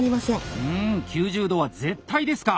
うん９０度は絶対ですか！